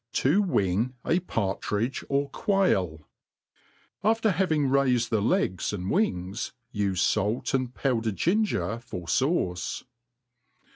To wing a Partridge or ^alL AFTER baving raifcd the legs and wings, ufe fait and powdered ginger for fauce.